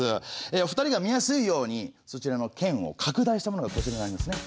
お二人が見やすいようにそちらの剣を拡大したものがこちらになりますね。